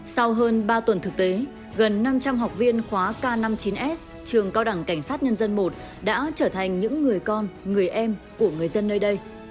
sau hơn ba tuần thực tế gần năm trăm linh học viên khóa k năm mươi chín s trường cao đẳng cảnh sát nhân dân i đã trở thành những người con người em của người dân nơi đây